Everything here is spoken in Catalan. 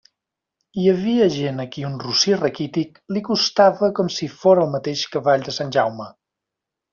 Hi havia gent a qui un rossí raquític li costava com si fóra el mateix cavall de sant Jaume.